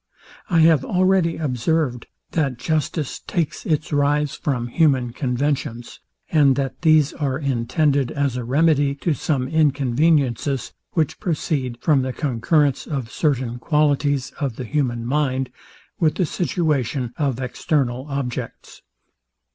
I have already observed, that justice takes its rise from human conventions; and that these are intended as a remedy to some inconveniences, which proceed from the concurrence of certain qualities of the human mind with the situation of external objects.